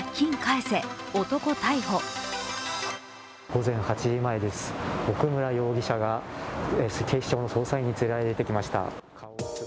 午前８時前です、奥村容疑者が警視庁の捜査員に連れられて出てきました。